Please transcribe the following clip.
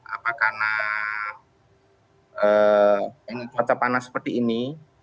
apa karena cuaca panas seperti ini